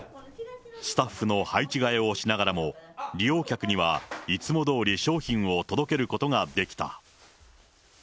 スタッフの配置換えをしながらも、利用客にはいつもどおり商品を届けることができた。